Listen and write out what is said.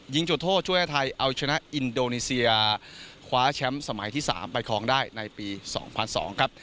ยิงจบโทษช่วยให้ไทยเอาให้ชนะอินโดนีเซียคว้าแชมป์สมัยที่สามไปคลองได้ในปีสองพันสองครับ